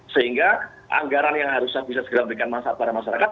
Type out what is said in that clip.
sehingga anggaran yang harusnya bisa segera diberikan pada masyarakat